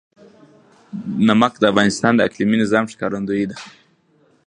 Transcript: نمک د افغانستان د اقلیمي نظام ښکارندوی ده.